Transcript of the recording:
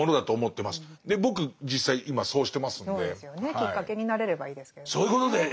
きっかけになれればいいですけれどねえ。